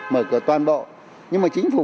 mở cửa toàn bộ nhưng mà chính phủ